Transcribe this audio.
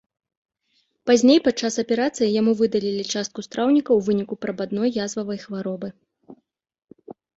Пазней падчас аперацыі яму выдалілі частку страўніка ў выніку прабадной язвавай хваробы.